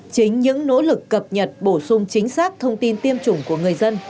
chính những nỗ lực cập nhật bổ sung chính xác thông tin tiêm chủng của người dân